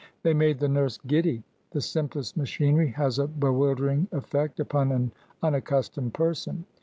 They made the nurse giddy. The simplest machinery has a bewildering effect upon an unaccustomed person.